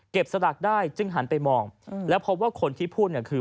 เก็บสลากกินได้จึงหันไปมองและพบว่าคนที่พูดคือ